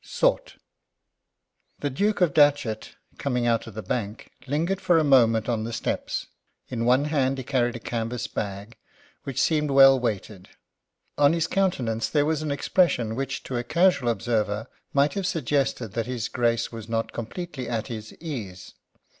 SOUGHT. The Duke of Datchet, coming out of the bank, lingered for a moment on the steps. In one hand he carried a canvas bag, which seemed well weighted. On his countenance there was an expression which to a casual observer might have suggested that his Grace was not completely at his ease.